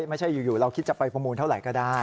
ไม่ใช่อยู่เราคิดจะไปประมูลเท่าไหร่ก็ได้